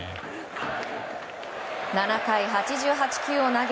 ７回８８球を投げ